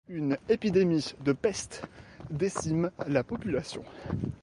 Une épidémie de peste décime la population.